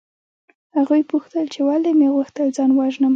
هغوی پوښتل چې ولې مې غوښتل ځان ووژنم